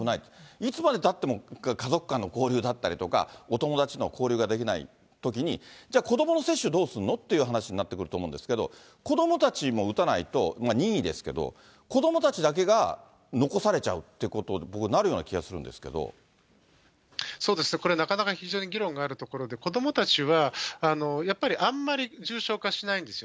いつまでたっても家族間の交流だったりとか、お友達の交流ができないときに、じゃあ、子どもの接種どうすんのっていう話になってくると思うんですけど、子どもたちも打たないと、任意ですけど、子どもたちだけが残されちゃうっていうことに、僕これなかなか非常に議論があるところで、子どもたちは、やっぱりあんまり重症化しないんですよ。